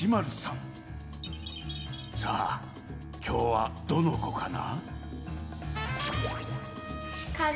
さあきょうはどのこかな？